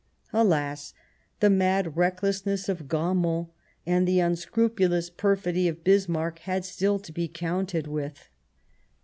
Alas ! the mad recklessness of Gramont and the unscrupulous perfidy of Bismarck had still to be counted with.